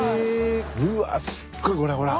うわすっごいこれほら。